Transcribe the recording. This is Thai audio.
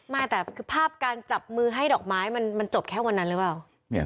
ไม่แต่คือภาพการจับมือให้ดอกไม้มันจบแค่วันนั้นหรือเปล่า